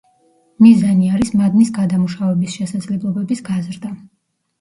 მიზანი არის მადნის გადამუშავების შესაძლებლობების გაზრდა.